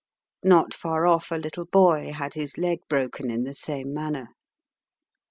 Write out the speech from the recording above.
Not far off, a little boy had his leg broken in the same manner.